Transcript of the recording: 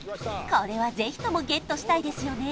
これはぜひともゲットしたいですよね